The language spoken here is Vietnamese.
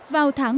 vào tháng bảy